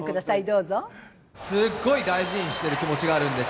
どうぞすっごい大事にしてる気持ちがあるんで